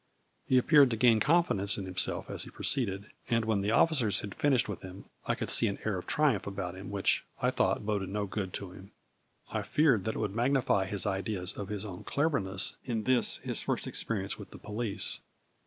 He appeared to gain confidence in himself as he proceeded, and when the officers had finished with him, I could see an air of triumph about him which, I thought, boded no good to him. I feared that it would magnify his ideas of his own cleverness in this his first experience with the police.